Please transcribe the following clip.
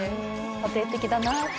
家庭的だなって？